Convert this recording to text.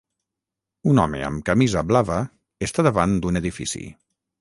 un home amb camisa blava està davant d'un edifici